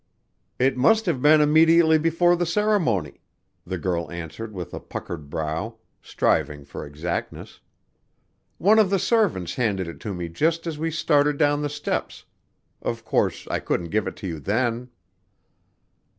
"It must have been immediately before the ceremony," the girl answered with a puckered brow, striving for exactness. "One of the servants handed it to me just as we started down the steps of course, I couldn't give it to you then."